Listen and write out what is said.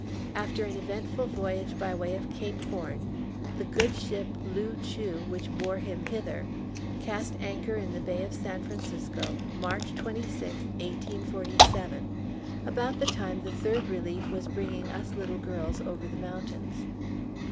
After an eventful voyage by way of Cape Horn, the good ship Loo Choo, which bore him hither, cast anchor in the Bay of San Francisco, March 26, 1847, about the time the Third Relief was bringing us little girls over the mountains.